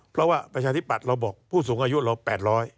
เพราะว่าประชาธิปัตย์เราบอกผู้สูงอายุเรา๘๐๐